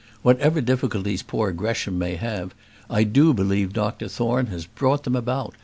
Whatever difficulties poor Gresham may have, I do believe Dr Thorne has brought them about.